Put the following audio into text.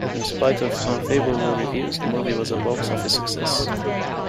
In spite of unfavorable reviews, the movie was a box office success.